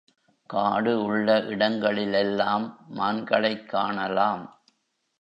காடு உள்ள இடங்களிலெல்லாம் மான்களைக் காணலாம்.